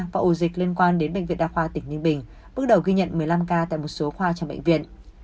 và ổ dịch liên quan đến bệnh viện đa khoa tỉnh ninh bình bước đầu ghi nhận một mươi năm ca tại một số khoa trong bệnh viện